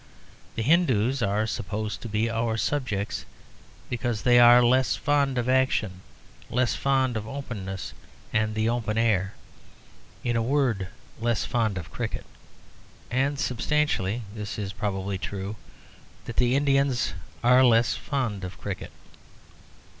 The Hindus are supposed to be our subjects because they are less fond of action, less fond of openness and the open air. In a word, less fond of cricket. And, substantially, this is probably true, that the Indians are less fond of cricket.